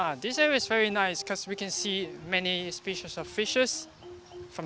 ah area ini sangat bagus karena kami dapat melihat banyak spesies ikan dari laut